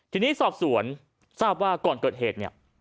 ทีนี้สอบสวนทราบว่าก่อนเกิดเหตุเนี่ย